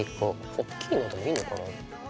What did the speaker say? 大きいのでもいいのかな？